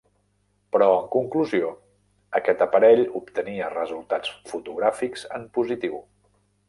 Però en conclusió, aquest aparell obtenia resultats fotogràfics en positiu.